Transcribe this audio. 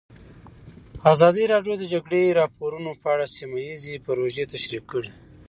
ازادي راډیو د د جګړې راپورونه په اړه سیمه ییزې پروژې تشریح کړې.